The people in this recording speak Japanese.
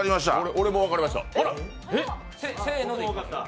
俺も分かりました。